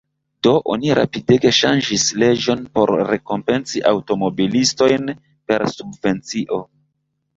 Do oni rapidege ŝanĝis leĝon por rekompenci aŭtomobilistojn per subvencio.